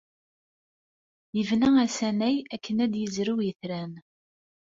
Yebna asanay akken ad yezrew itran.